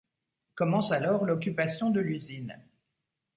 Commence alors l'occupation de l'usine.